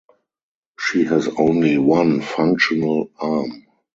She has only one functional arm.